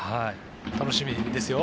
楽しみですよ。